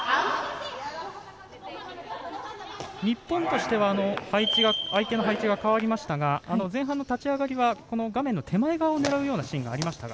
日本としては相手の配置が変わりましたが前半の立ち上がりは画面の手前側を狙うシーンがありましたが。